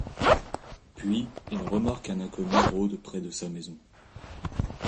Puis, il remarque qu'un inconnu rôde près de sa maison.